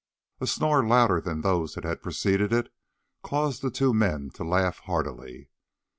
A snore louder than those that had preceded it, caused the two men to laugh heartily.